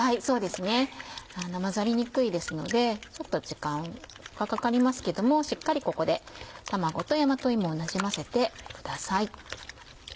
そうですね混ざりにくいですのでちょっと時間がかかりますけどもしっかりここで卵と大和芋をなじませてください。